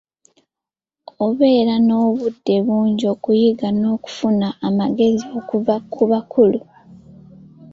Obeera n'obudde bungi okuyiga n'okufuna amagezi okuva ku bakulu.